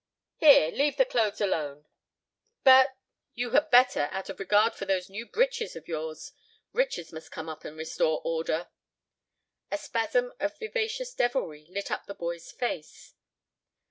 "Here, leave the clothes alone." "But—" "You had better, out of regard for those new breeches of yours. Richards must come up and restore order." A spasm of vivacious devilry lit up the boy's face.